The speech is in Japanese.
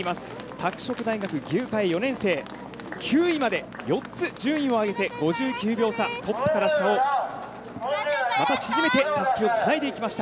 拓殖大学、牛佳慧４年生９位まで４つ順位を上げて５９秒差トップから差をまた縮めてたすきをつないでいきました。